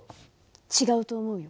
違うと思うよ。